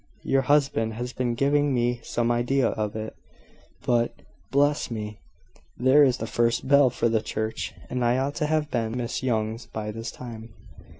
Your husband has been giving me some idea of it, but... Bless me! there is the first bell for church; and I ought to have been at Miss Young's by this time.